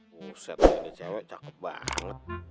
buset nih ini cewek cakep banget